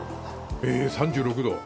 えー、３６度？